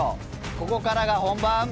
ここからが本番。